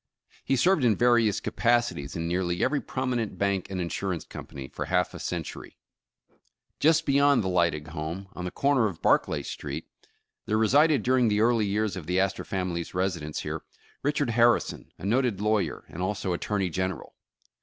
He served in various capacities in nearly every prominent bank and insurance company, for half a century. Just beyond the Lydig home, on the corner of Bar clay Street, there resided during the early years of the Astor family's residence here, Richard Harrison, a noted lawyer, and also Attorney General.